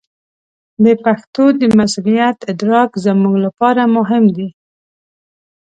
د پښتو د مسوولیت ادراک زموږ لپاره مهم دی.